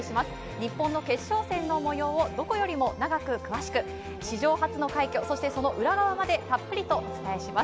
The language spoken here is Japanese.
日本の決勝戦の模様をどこよりも長く詳しく史上初の快挙、そして、その裏側までたっぷりとお伝えします。